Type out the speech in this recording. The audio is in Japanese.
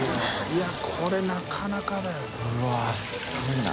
いこれなかなかだよな。